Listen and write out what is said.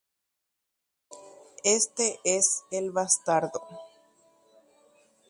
Kóva ha'e upe mba'e vai apoha.